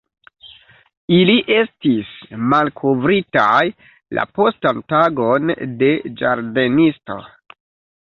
Ili estis malkovritaj la postan tagon de ĝardenisto.